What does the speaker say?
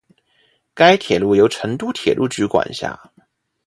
该铁路由成都铁路局管辖。